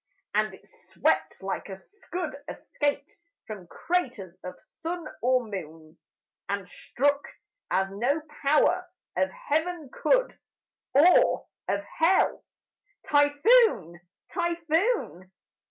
And it swept like a scud escaped From craters of sun or moon, And struck as no power of Heaven could, Or of Hell typhoon! typhoon!